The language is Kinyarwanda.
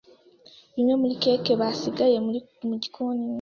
Bimwe muri keke bisigaye mu gikoni.